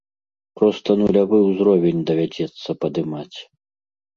Проста нулявы ўзровень давядзецца падымаць.